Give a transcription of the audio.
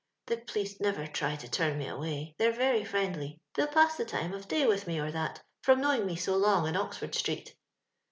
"The police never try to turn me away; they're very friendly, they'll pass the time of day with me, or that, from knowing me so long in Oxford street.